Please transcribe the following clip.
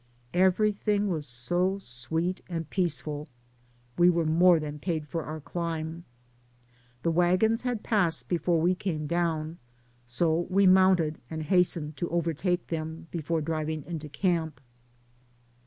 Everything was so sweet and peaceful, we were more than paid for our climb. The wagons had passed before we came down, so we mounted and hastened to overtake them before driving into camp.